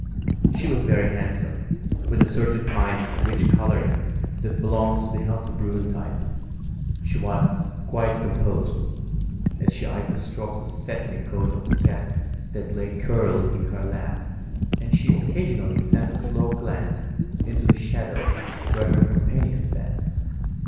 She was very handsome, with a certain fine, rich coloring that belongs to the healthy brune type. She was quite composed, as she idly stroked the satiny coat of the cat that lay curled in her lap, and she occasionally sent a slow glance into the shadow where her companion sat.